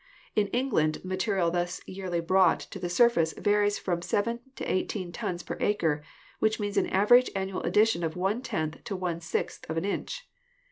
In England the material thus yearly brought to the surface varies from seven to eighteen tons per acre, which means an average annual addition of one tenth to one sixth of an inch.